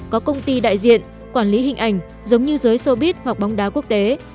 có công ty đại diện quản lý hình ảnh giống như giới sobit hoặc bóng đá quốc tế